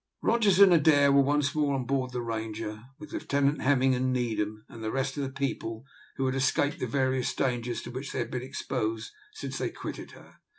Rogers and Adair were once more or board the Ranger, with Lieutenant Hemming and Needham, and the rest of the people who had escaped the various dangers to which they had been exposed since they quitted her.